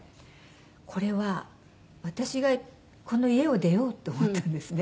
これは私がこの家を出ようと思ったんですね。